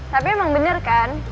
tapi emang bener kan